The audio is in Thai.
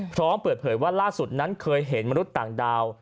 พร้อมเปิดเผยว่าล่าสุดนั้นเคยเห็นมนุษย์ต่างดาว